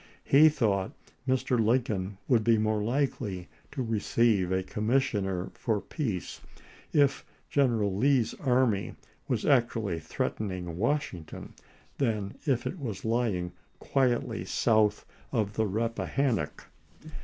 He thought Mr. Lincoln would be more likely to receive a commissioner for peace if General Lee's army was actually threatening Washington than if it was lying quietly south of the Rappahannock.